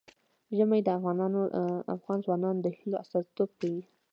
ژمی د افغان ځوانانو د هیلو استازیتوب کوي.